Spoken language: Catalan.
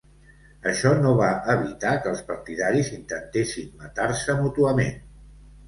Això no va evitar que els partidaris intentessin matar-se mútuament.